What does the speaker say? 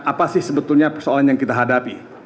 apa sih sebetulnya persoalan yang kita hadapi